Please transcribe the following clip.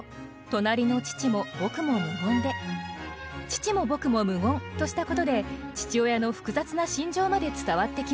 「父も僕も無言」としたことで父親の複雑な心情まで伝わってきます。